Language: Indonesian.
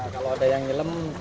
kalau ada yang ngelem